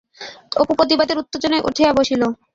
অপু প্রতিবাদের উত্তেজনায় উঠিয়া বসিল।